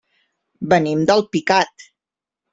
Venim d'Alpicat.